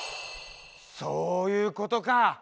そういうことか！